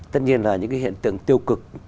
tất nhiên là những cái hiện tượng tiêu cực